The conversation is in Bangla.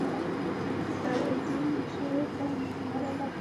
স্যার, ওই তিন মাসের ভাড়া বাকী ছিলো তাই বের করে দিলো।